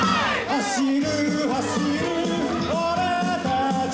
「走る走る俺たち」